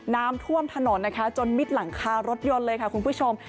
น้ำท่วมถนนนะคะจนมิดหลังคารถยนต์เลยค่ะคุณผู้ชม